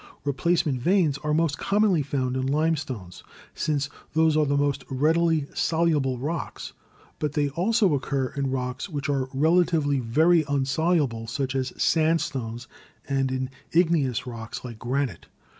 Replacement veins are most commonly found in limestones, since those are the most readily soluble rocks, but they also occur in rocks which are relatively very insoluble, such as sand stones, and in igneous rocks like granite.